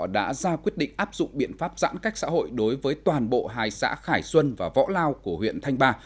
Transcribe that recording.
đã ra quyết định áp dụng biện pháp giãn cách xã hội đối với toàn bộ hai xã khải xuân và võ lao của huyện thanh ba